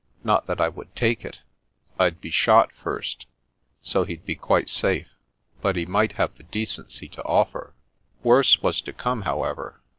Not that I would take it. I'd be shot first, so he'd be quite safe; but he might have the decency to offer." Worse was to come, however.